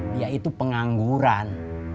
dia itu pengangguran